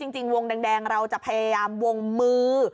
จริงวงแดงเราจะพยายามวงมือ